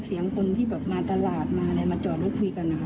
เสียงคนที่มาตลาดมาจอดด้วยคุยกัน